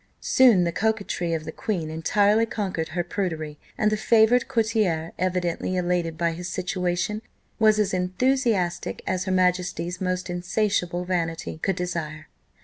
Soon the coquetry of the queen entirely conquered her prudery; and the favoured courtier, evidently elated by his situation, was as enthusiastic as her majesty's most insatiable vanity could desire.